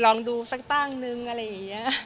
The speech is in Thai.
ลองดูสักตั้งนึงอะไรอย่างนี้